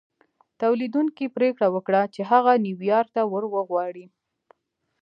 توليدوونکي پرېکړه وکړه چې هغه نيويارک ته ور وغواړي.